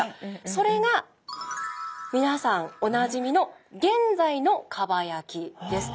それがみなさんおなじみの現在の蒲焼きです。